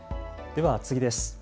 では次です。